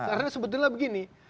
karena sebetulnya begini